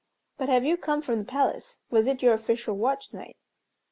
But have you come from the palace? Was it your official watch night?"